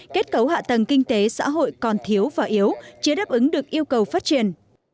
kết cấu hạ tầng kinh tế xã hội còn thiếu và yếu chưa đáp ứng được yêu cầu phát triển